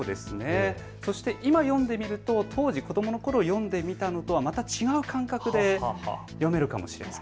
そして今読んでみると当時子どものころ読んでみたのとはまた違う感覚で読めるかもしれません。